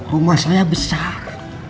rumah saya besar